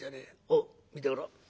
おっ見てみろ。